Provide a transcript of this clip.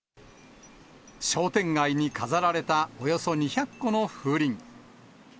商店街に飾られたおよそ２００個の風鈴。